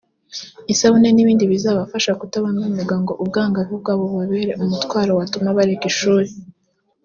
isabune n’ibindi bizabafasha kutabangamirwa ngo ubwangavu bwabo bubabere umutwaro watuma bareka ishuri